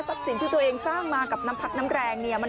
ทรัพย์สินที่เจ้าเองสร้างมากับน้ำพัดน้ำแรงนี่